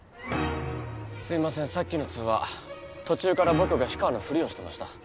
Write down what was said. すいませんさっきの通話途中から僕が氷川のふりをしてました。